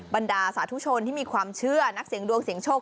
บรรดาสาธุชนที่มีความเชื่อนักเสียงดวงเสียงโชค